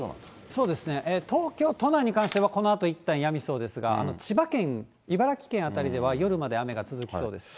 そうですね、東京都内に関しては、このあと、いったんやみそうですが、千葉県、茨城県辺りでは夜まで雨が続きそうです。